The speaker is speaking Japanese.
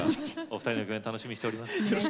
お二人の共演楽しみにしております。